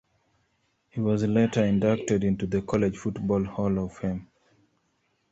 He was later inducted into the College Football Hall of Fame.